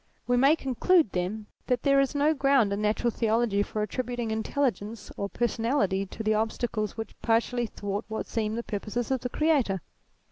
We may conclude, then, that there is no ground in Natural Theology for attributing intelligence or per sonality to the obstacles which partially thwart what seem the purposes of the Creator.